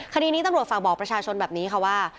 คดีนี้ตำรวจฝากบอกประชาชนแบบนี้ค่ะว่า